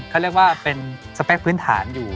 เขาเรียกว่าเป็นสเปคพื้นฐานอยู่